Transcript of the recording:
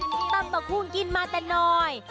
ตำมะกุ้งกินมาแต่น้อย